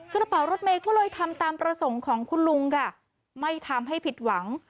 กระเป๋ารถเมย์ก็เลยทำตามประสงค์ของคุณลุงค่ะไม่ทำให้ผิดหวัง